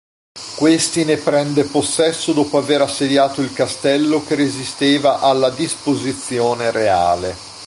Questi ne prende possesso dopo aver assediato il Castello che resisteva alla disposizione reale.